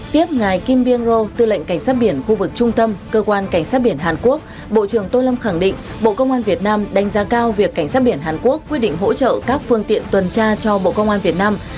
tiếp ngài kim byung ro tư lệnh cảnh sát biển khu vực trung tâm cơ quan cảnh sát biển hàn quốc bộ trưởng tô lâm khẳng định bộ công an việt nam đánh giá cao việc cảnh sát biển hàn quốc quyết định hỗ trợ các phương tiện tuần tra cho bộ công an việt nam